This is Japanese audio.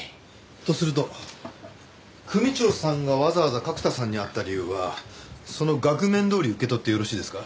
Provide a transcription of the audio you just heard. とすると組長さんがわざわざ角田さんに会った理由はその額面どおり受け取ってよろしいですか？